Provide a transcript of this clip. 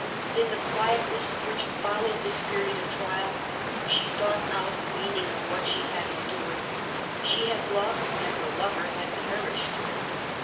In the quietness which followed this period of trial she thought out the meaning of what she had endured. She had loved, and her lover had perished.